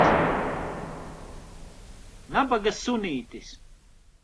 Nabaga sunītis.